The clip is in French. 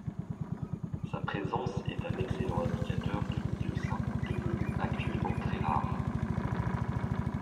Sa présence est un excellent indicateur de milieux sains devenus actuellement très rares.